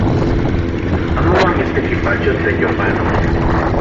Amo mamitstekipacho tlen yopanok